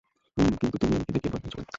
উম, কিন্তু তুমি আমাকে দেখে ভয় পেয়েছ কেন?